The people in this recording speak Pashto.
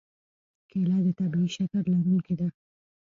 کېله د طبیعي شکر لرونکې ده.